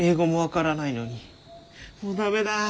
もう駄目だ！